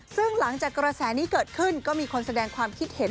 ซึ่งหลังจากกระแสนี้เกิดขึ้นก็มีคนแสดงความคิดเห็น